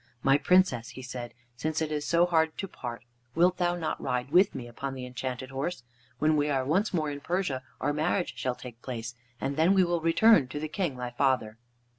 "My Princess," he said, "since it is so hard to part, wilt thou not ride with me upon the Enchanted Horse? When we are once more in Persia our marriage shall take place, and then we will return to the King thy father."